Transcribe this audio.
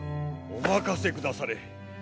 お任せくだされ。